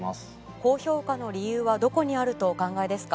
高評価の理由はどこにあるとお考えですか？